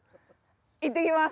いってきます！